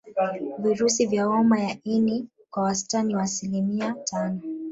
Virusi vya homa ya ini kwa wastani wa asilimia tano